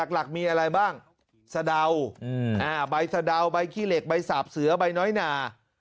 หลักมีอะไรบ้างสะเดาใบสะดาวใบขี้เหล็กใบสาบเสือใบน้อยหนา